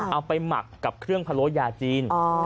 หมักกับเครื่องพะโล้ยาจีน